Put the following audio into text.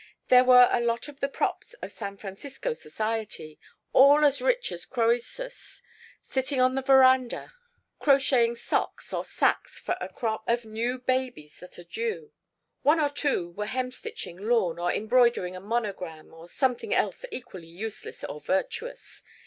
There were a lot of the props of San Francisco society, all as rich as croesus, sitting on the veranda crocheting socks or sacks for a crop of new babies that are due. One or two were hemstitching lawn, or embroidering a monogram, or something else equally useless or virtuous.